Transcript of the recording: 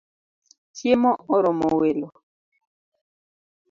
Chiemo oromo welo